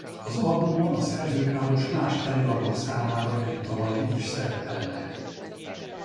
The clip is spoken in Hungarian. Az albumon a szerzőpáros más előadók számára írt dalai is szerepelnek.